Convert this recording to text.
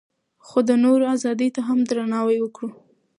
خو د نورو ازادۍ ته هم درناوی وکړو.